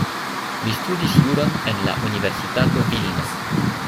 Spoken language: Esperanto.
Li studis juron en la Universitato Vilno.